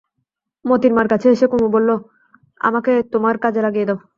মোতির মার কাছে এসে কুমু বললে, আমাকে তোমার কাজে লাগিয়ে দাও।